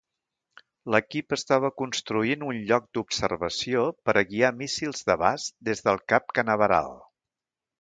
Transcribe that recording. L'equip estava construint un lloc d'observació per a guiar míssils d'abast des del Cap Canaveral.